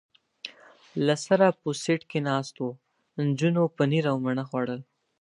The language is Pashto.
له سره په سېټ کې ناست و، نجونو پنیر او مڼه خوړل.